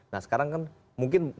nah sekarang kan mungkin